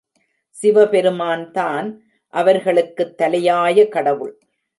சிவபெருமான்தான் அவர்களுக்குத் தலையாய கடவுள்.